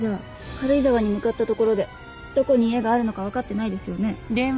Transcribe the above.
軽井沢に向かったところでどこに家があるのか分かってないですよね？